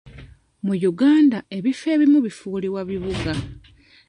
Mu Uganda, ebifo ebimu bifuulibwa bibuga.